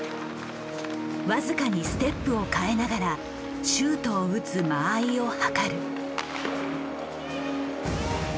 僅かにステップを変えながらシュートを打つ間合いをはかる。